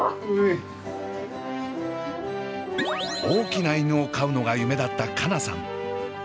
大きな犬を飼うのが夢だった佳奈さん。